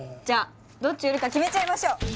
じゃあどっち売るか決めちゃいましょう！